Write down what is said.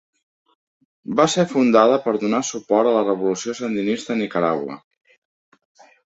Va ser fundada per donar suport a la revolució sandinista a Nicaragua.